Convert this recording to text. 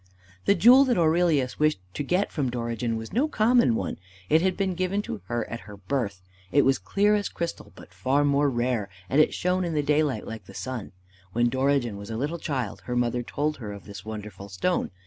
The jewel that Aurelius wished to get from Dorigen was no common one. It had been given to her at her birth. It was clear as crystal, but far more rare, and it shone in the daylight like the sun. When Dorigen was a little child her mother told her of this wonderful stone.